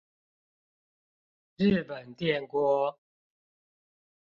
日本電鍋